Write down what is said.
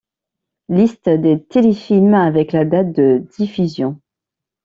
Liste des téléfilms avec la date de diffusion.